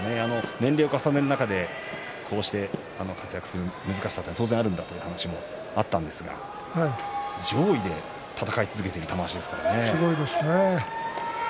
年齢を重ねることで活躍する難しさは当然あったということですが上位で戦い続けている玉鷲ですからね。